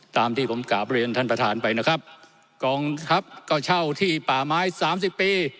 ตามที่ผมกราบเรียนท่านประธานไปนะครับกองทัพก็เช่าที่ป่าไม้สามสิบปี